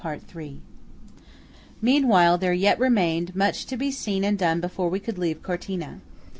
NEAR CORTINA. Meanwhile there yet remained much to be seen and done before we could leave Cortina.